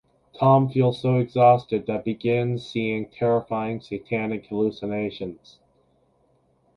Tom feels so exhausted that begins seeing terrifying satanic hallucinations.